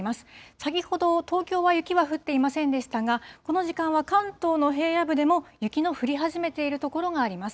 先ほど、東京は雪は降っていませんでしたが、この時間は関東の平野部でも雪の降り始めている所があります。